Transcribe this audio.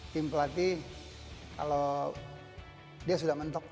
tim pelatih kalau dia sudah mentok